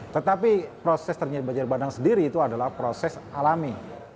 tetapi proses terjadi banjir bandang sendiri itu adalah proses alami